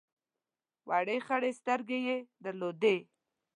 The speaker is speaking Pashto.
وړې خړې سترګې یې درلودې.